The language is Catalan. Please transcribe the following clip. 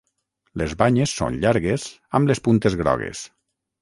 Les banyes són llargues amb les puntes grogues.